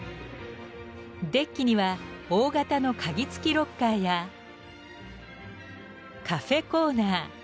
デッキには大型の鍵付きロッカーやカフェコーナー。